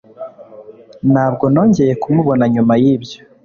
Ntabwo nongeye kumubona nyuma yibyo.